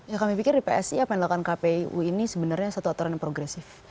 ya kami pikir di psi ya pendelakan kpu ini sebenarnya satu aturan yang progresif